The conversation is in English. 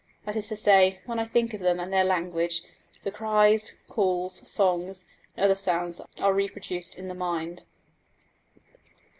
That is to say, when I think of them and their language, the cries, calls, songs, and other sounds are reproduced in the mind.